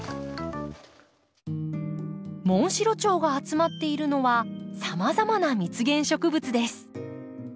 モンシロチョウが集まっているのはさまざまな蜜源植物です。